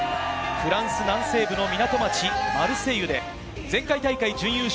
フランス南西部の港町マルセイユで、前回大会準優勝